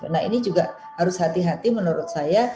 nah ini juga harus hati hati menurut saya